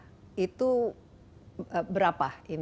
jadi itu berapa